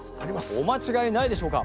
お間違えないでしょうか？